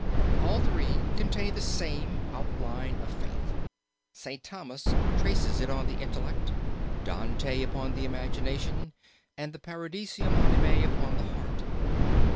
All three contain the same outline of Faith. St. Thomas traces it on the intellect, Dante upon the imagination, and the Paradisus Animae upon the heart.